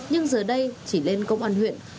nhưng giờ đây chỉ lên công an huyện